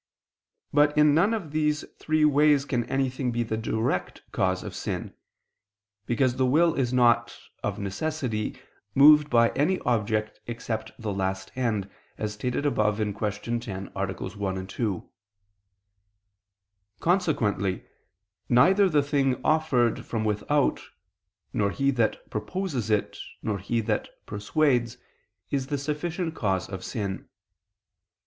But in none of these three ways can anything be the direct cause of sin, because the will is not, of necessity, moved by any object except the last end, as stated above (Q. 10, AA. 1, 2). Consequently neither the thing offered from without, nor he that proposes it, nor he that persuades, is the sufficient cause of sin.